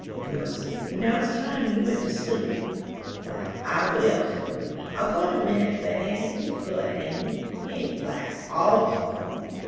"We'll see; but now it's time you went to sleep." "Well, I will," said Prudy, "I'll go in a minute; but, auntie, he's good, ain't he? He ain't black all through?"